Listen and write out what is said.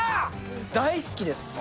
大好きです。